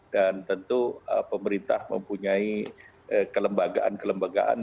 dan tentu pemerintah mempunyai kelembagaan kelembagaan